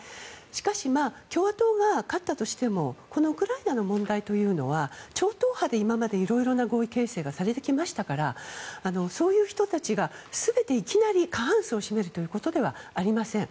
しかし、共和党が勝ったとしてもウクライナの問題というのは超党派で今まで色々な合意形成がされてきましたからそういう人たちが全ていきなり過半数を占めるということではありません。